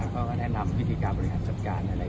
เขาก็แนะนำพฤติกรรมบริหารจัดการอะไรอย่าง